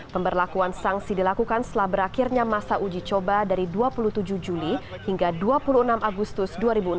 pemberlakuan sanksi dilakukan setelah berakhirnya masa uji coba dari dua puluh tujuh juli hingga dua puluh enam agustus dua ribu enam belas